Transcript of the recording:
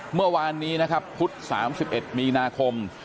เมื่อวานนี้นะครับพุธสามสิบเอ็ดมีนาคม